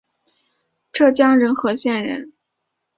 浙江仁和县人。